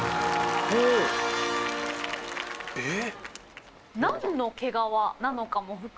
えっ？